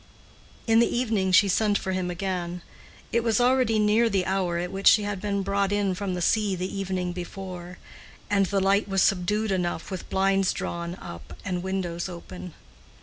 In the evening she sent for him again. It was already near the hour at which she had been brought in from the sea the evening before, and the light was subdued enough with blinds drawn up and windows open.